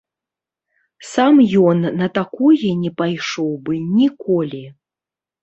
Сам ён на такое не пайшоў бы ніколі.